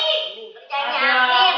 ini makan anak paut